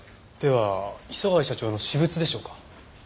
では磯貝社長の私物でしょうか？